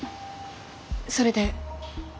それで？